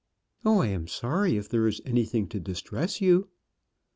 "Oh, I am sorry if there is anything to distress you."